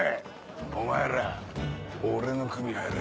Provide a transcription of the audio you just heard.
お前ら俺の組入れ。